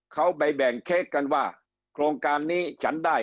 เขาไปแบ่งเค้กกันว่าโครงการนี้ฉันได้